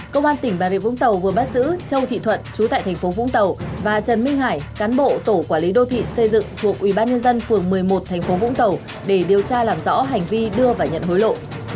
công an tỉnh bà rịa vũng tàu vừa bắt giữ châu thị thuận chú tại thành phố vũng tàu và trần minh hải cán bộ tổ quản lý đô thị xây dựng thuộc ubnd phường một mươi một thành phố vũng tàu để điều tra làm rõ hành vi đưa và nhận hối lộ